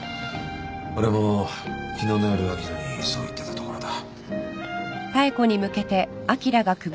俺も昨日の夜あきらにそう言ってたところだ。